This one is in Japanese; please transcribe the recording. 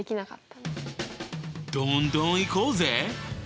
どんどんいこうぜ！